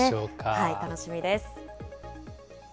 楽しみです。